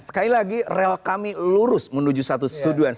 sekali lagi rel kami lurus menuju satu tujuan